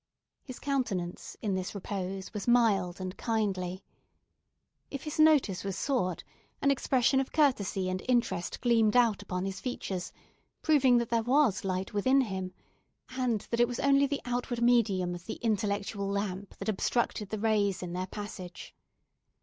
His countenance, in this repose, was mild and kindly. If his notice was sought, an expression of courtesy and interest gleamed out upon his features, proving that there was light within him, and that it was only the outward medium of the intellectual lamp that obstructed the rays in their passage.